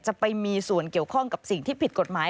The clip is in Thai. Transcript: ไปมีส่วนเกี่ยวข้องกับสิ่งที่ผิดกฎหมาย